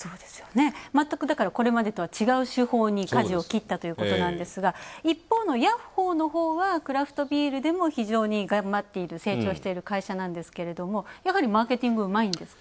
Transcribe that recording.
全くこれまでとは違う手法にかじを切ったということなんですが一方のヤッホーのほうは、クラフトビールでも非常に成長している会社なんですけど、やはりマーケティングうまいんですか？